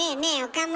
岡村。